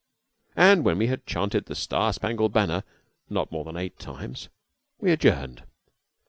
When we had chanted "The Star Spangled Banner" not more than eight times, we adjourned.